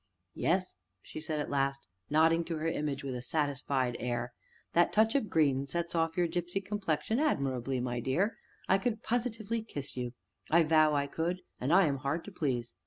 "Yes," said she at last, nodding at her image with a satisfied air, "that touch of green sets off your gipsy complexion admirably, my dear I could positively kiss you I vow I could, and I am hard to please.